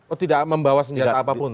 oh tidak membawa senjata apapun